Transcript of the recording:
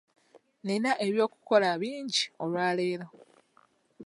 Nina eby'okukola bingi olwaleero.